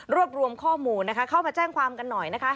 รวบรวมข้อมูลนะคะเข้ามาแจ้งความกันหน่อยนะคะ